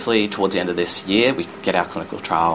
kita bisa melakukan proses penyelidikan klinik